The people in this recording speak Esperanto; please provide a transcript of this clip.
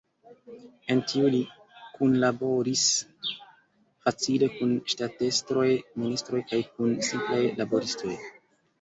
En tio li kunlaboris facile kun ŝtatestroj, ministroj kaj kun simplaj laboristoj.